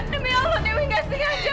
demi allah dewi nggak sengaja